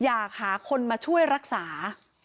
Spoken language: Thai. อยากหาคนมาช่วยรักษา